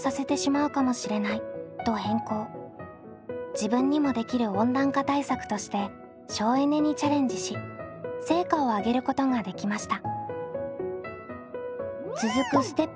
自分にもできる温暖化対策として省エネにチャレンジし成果を上げることができました。